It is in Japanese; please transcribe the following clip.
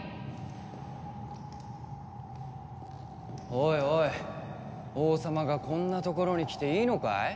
おいおい王様がこんな所に来ていいのかい？